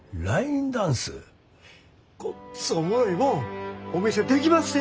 ごっつおもろいもんお見せできまっせ。